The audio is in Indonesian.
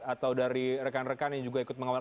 atau dari rekan rekan yang juga ikut mengawal